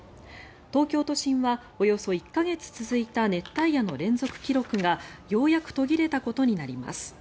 東京都心はおよそ１か月続いた熱帯夜の連続記録がようやく途切れたことになります。